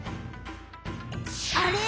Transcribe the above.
あれ？